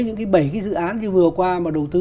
những cái bảy cái dự án như vừa qua mà đầu tư